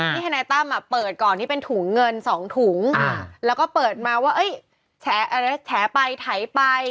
ทนายตั้มเปิดก่อนนี่เป็นถุงเงิน๒ถุงแล้วก็เปิดมาว่าแฉไปไถไป